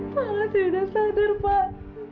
pak latri udah sadar pak